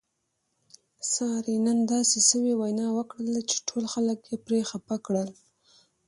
سارې نن داسې سوې وینا وکړله چې ټول خلک یې پرې خپه کړل.